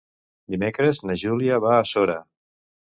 Dimecres na Júlia va a Sora.